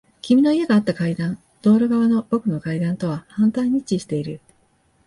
君の家があった階段。道路側の僕の階段とは反対に位置している。